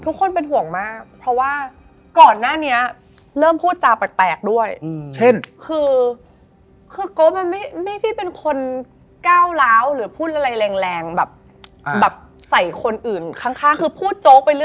ไม่เล่นอย่างเงี้ยเจ้าเล่นโฟนอะไรอย่างเงี้ย